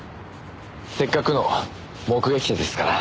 せっかくの目撃者ですから。